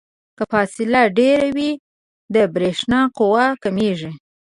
که فاصله ډیره وي د برېښنا قوه کمیږي.